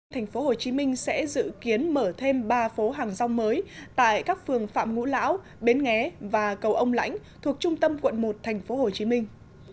thành phố hồ chí minh sẽ dự kiến mở thêm ba phố hàng rong mới tại các phường phạm ngũ lão bến nghé và cầu ông lãnh thuộc trung tâm quận một thành phố hồ chí minh